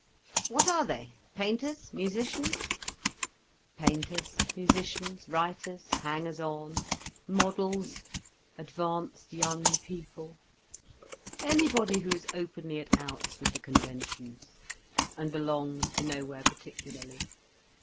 "What are they?—painters, musicians?" "Painters, musicians, writers—hangers on, models, advanced young people, anybody who is openly at outs with the conventions, and belongs to nowhere particularly.